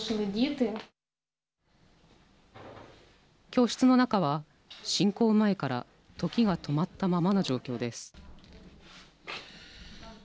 教室の中は侵攻前から時が止まったままの状況です。